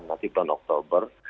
nanti bulan oktober